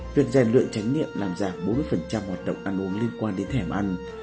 việc giảm lượng tránh nhiệm làm giảm bốn mươi hoạt động ăn uống liên quan đến thèm ăn